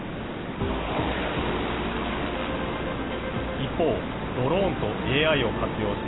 一方、ドローンとＡＩを活用し、